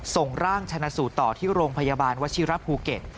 ส่งร่างชนะสูตรต่อที่โรงพยาบาลวชิระภูเก็ต